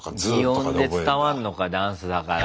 擬音で伝わんのかダンスだから。